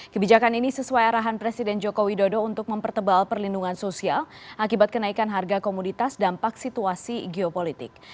kebijakan ini sesuai arahan presiden joko widodo untuk mempertebal perlindungan sosial akibat kenaikan harga komoditas dampak situasi geopolitik